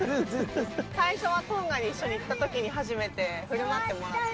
最初はトンガに一緒に行った時に初めて振る舞ってもらって。